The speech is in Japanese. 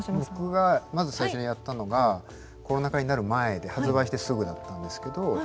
僕がまず最初にやったのがコロナ禍になる前で発売してすぐだったんですけど。